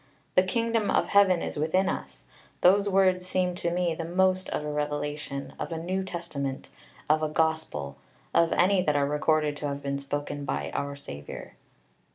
The Kingdom of Heaven is within us. Those words seem to me the most of a revelation, of a New Testament, of a Gospel of any that are recorded to have been spoken by our Saviour."